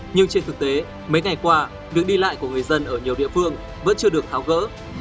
nhưng trên thực tế mấy ngày qua việc đi lại của người dân ở nhiều địa phương vẫn chưa được tháo gỡ